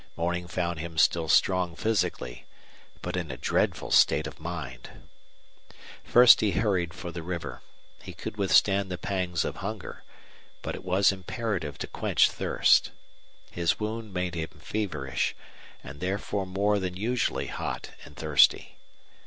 Morning found him still strong physically, but in a dreadful state of mind. First he hurried for the river. He could withstand the pangs of hunger, but it was imperative to quench thirst. His wound made him feverish, and therefore more than usually hot and thirsty.